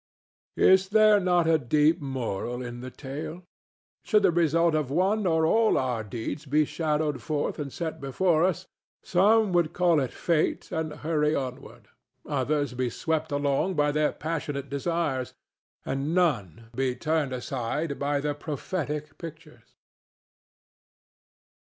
Is there not a deep moral in the tale? Could the result of one or all our deeds be shadowed forth and set before us, some would call it fate and hurry onward, others be swept along by their passionate desires, and none be turned aside by the prophetic pictures.